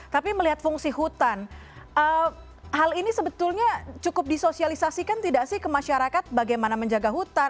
tapi melihat fungsi hutan hal ini sebetulnya cukup disosialisasikan tidak sih ke masyarakat bagaimana menjaga hutan